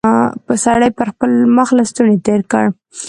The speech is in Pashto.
سړي پر خپل مخ لستوڼی تېر کړ.